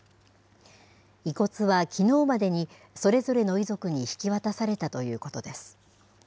遺骨はきのうまでにそれぞれの遺族に引き渡されたということです。